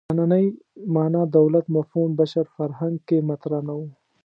نننۍ معنا دولت مفهوم بشر فرهنګ کې مطرح نه و.